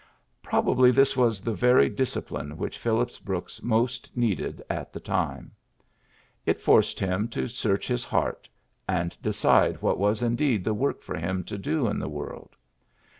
Probably this was the very discipline which Phillips Brooks most needed at the time. It forced him to search his heart, and decide what was indeed the work for him to do in the world.